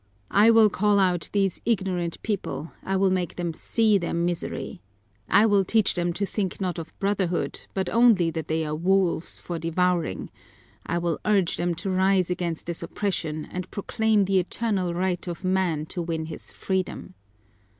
I will call out these ignorant people, I will make them see their misery. I will teach them to think not of brotherhood but only that they are wolves for devouring, I will urge them to rise against this oppression and proclaim the eternal right of man to win his freedom!"